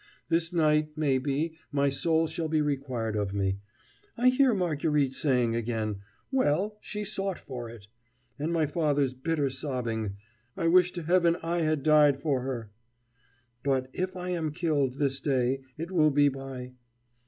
This night, may be, my soul shall be required of me. I hear Marguerite saying again, "Well, she sought for it," and my father's bitter sobbing, "I wish to Heaven I had died for her!" But, if I am killed this day, it will be by